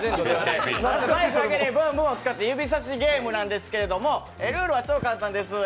バイクだけにブンブンを使った指さしゲームなんですけど、ルールは超簡単です